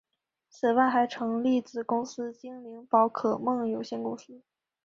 此外还成立子公司精灵宝可梦有限公司。